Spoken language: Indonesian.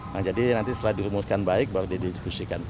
nah jadi nanti setelah dirumuskan baik baru didiskusikan